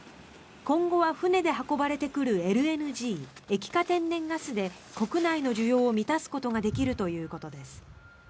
今後は船で運ばれてくるＬＮＧ・液化天然ガスで国内の需要を満たすことができるということです。